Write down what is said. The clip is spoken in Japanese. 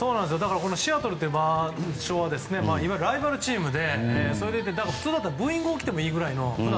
シアトルって場所はいわゆるライバルチームでそれでいて普通だったらブーイングが起きてもいいぐらいの。